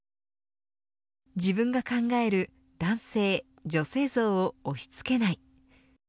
自分が考える男性、女性像を押しつけない。